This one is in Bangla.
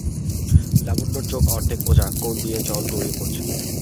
লাবণ্যর চোখ অর্ধেক বোজা, কোণ দিয়ে জল গড়িয়ে পড়ছে।